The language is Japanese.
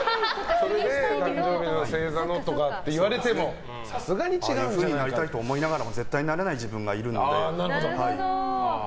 それで誕生日の星座のとか言われてもああいうふうになりたいと思いながらも絶対になれない自分がいるので。